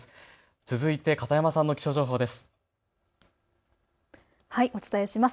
続いて片山さんの気象情報です。